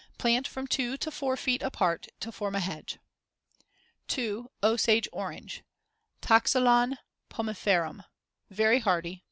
Plant from 2 to 4 feet apart to form a hedge. 2. Osage orange (Toxylon pomiferum) Very hardy.